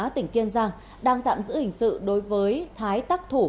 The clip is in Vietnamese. tỉnh kiên giang đang tạm giữ hình sự đối với thái tắc thủ